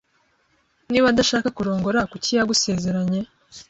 Niba adashaka kurongora, kuki yagusezeranye?